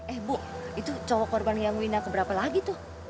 eh bu itu cowok korban yang mina keberapa lagi tuh